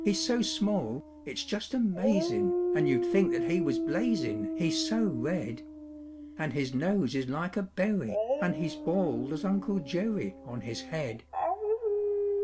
"] He's so small, it's just amazin', And you 'd think that he was blazin', He's so red; And his nose is like a berry, And he's bald as Uncle Jerry On his head.